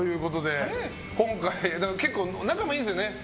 仲もいいんですよね